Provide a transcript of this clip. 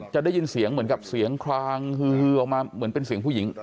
จะได้ยินเสียงเหมือนกับเสียงคลางฮือออกมาเหมือนเป็นเสียงผู้หญิง